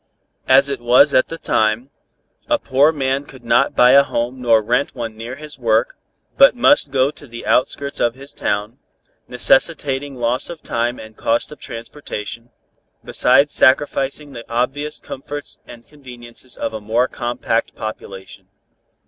As it was at that time, a poor man could not buy a home nor rent one near his work, but must needs go to the outskirts of his town, necessitating loss of time and cost of transportation, besides sacrificing the obvious comforts and conveniences of a more compact population.